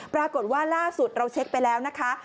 ปรากฏว่าล่าสุดเราเช็คไปแล้วนะคะ